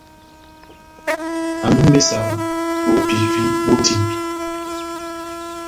Ando ó imésa bopivi bó etímbi.